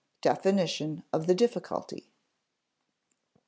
Definition of the difficulty] 2.